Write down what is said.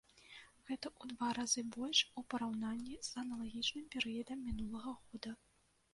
Гэта ў два разы больш у параўнанні з аналагічным перыядам мінулага года.